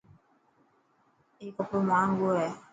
اي ڪپڙو جاهنگو هي.